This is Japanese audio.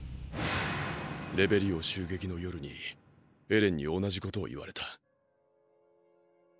レベリオ襲撃の夜にエレンに同じことを言われた。